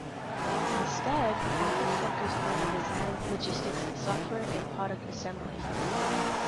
Instead, apple focused on the design, logistics, software and product assembly.